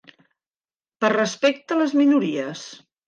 Per respecte a les minories.